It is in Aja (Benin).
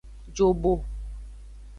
Jobo.